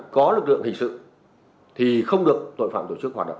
có lực lượng hình sự thì không được tội phạm tổ chức hoạt động